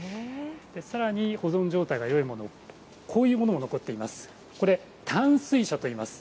さらに保存状態がよいもの、こういうものも残っています。